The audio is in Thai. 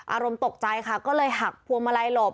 อารมณ์ตกใจค่ะก็เลยหักพวงมาลัยหลบ